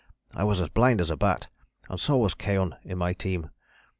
I was as blind as a bat, and so was Keohane in my team.